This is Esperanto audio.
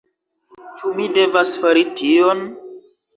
Ĉu mi devas fari tion?